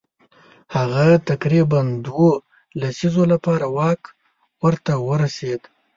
هغه تقریبا دوو لسیزو لپاره واک ورته ورسېد.